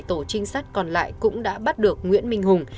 tổ trinh sát còn lại cũng đã bắt được nguyễn minh hùng